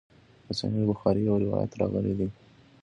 د صحیح بخاري په یوه روایت کې راغلي.